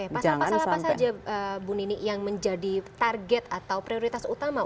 pasal pasal apa saja bu nini yang menjadi target atau prioritas utama